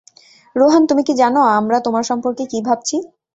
রোহান, তুমি কি জানো, আমরা তোমার সম্পর্কে কী ভাবছি?